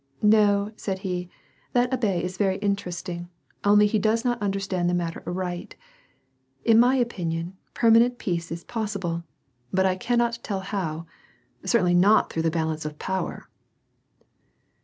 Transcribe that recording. " No," said he, " that abbe is very interesting, only he does not understand the matter aright. — In my opinion, permanent peju»c is possible, biit 1 cannot tell how — certainly not through the balance of power."